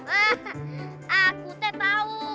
ah aku teh tau